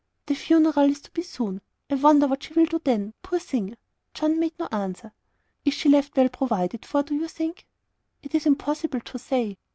"The funeral is to be soon. I wonder what she will do then, poor thing!" John made me no answer. "Is she left well provided for, do you think?" "It is impossible to say."